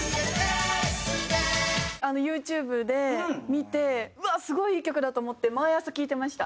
ＹｏｕＴｕｂｅで見てうわっすごいいい曲だと思って毎朝聴いてました。